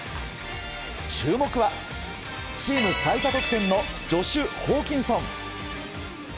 注目は、チーム最多得点のジョシュ・ホーキンソン。